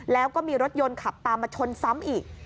แล้วก็มีรถยนต์ขับตามมาชนซ้ำอีก